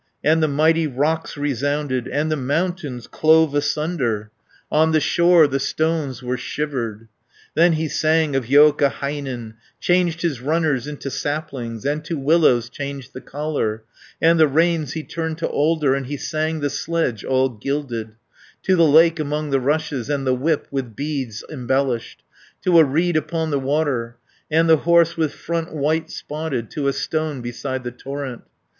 And the mighty rocks resounded. And the mountains clove asunder; On the shore the stones were shivered. 300 Then he sang of Joukahainen, Changed his runners into saplings, And to willows changed the collar, And the reins he turned to alder, And he sang the sledge all gilded, To the lake among the rushes, And the whip, with beads embellished, To a reed upon the water, And the horse, with front white spotted To a stone beside the torrent.